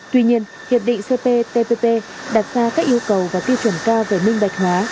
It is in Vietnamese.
tuy nhiên hiệp định cptpp đặt ra các yêu cầu và tiêu chuẩn cao về minh bạch hóa